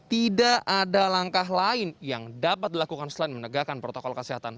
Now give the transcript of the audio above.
tidak ada langkah lain yang dapat dilakukan selain menegakkan protokol kesehatan